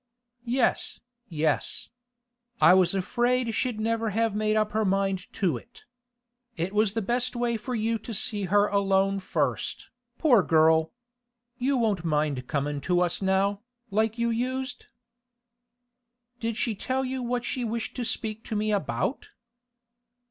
'Yes, yes. I was afraid she'd never have made up her mind to it. It was the best way for you to see her alone first, poor girl! You won't mind comin' to us now, like you used?' 'Did she tell you what she wished to speak to me about?